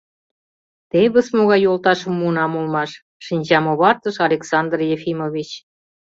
«Тевыс могай йолташым муынам улмаш, — шинчам овартыш Александр Ефимович.